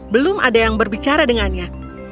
belum ada yang berbicara dengannya